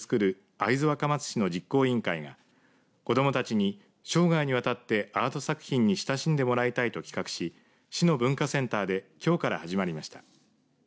会津若松市の実行委員会が子どもたちに生涯にわたってアート作品に親しんでもらいたいと企画し市の文化センターできょうから始まりました。